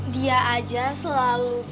dia aja selalu kaya